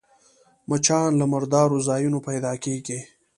مچان له مردارو ځایونو پيدا کېږي